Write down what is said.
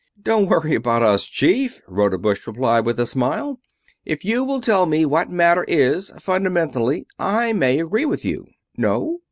"Don't worry about us, Chief," Rodebush replied with a smile. "If you will tell me what matter is, fundamentally, I may agree with you.... No?